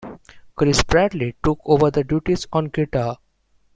Chris Bradley took over the duties on guitar.